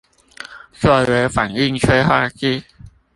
作為反應催化劑